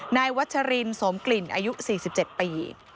นายวัชรินสมกลิ่นอายุ๔๗ปี